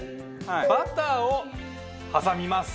バターを挟みます。